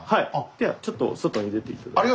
ではちょっと外に出て頂いて。